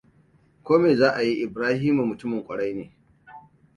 Ko me za a yi Ibrahima mutumin ƙwarai ne.